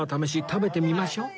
食べてみましょう